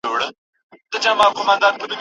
وزن پورته کول د عضلاتو ځواک زیاتوي.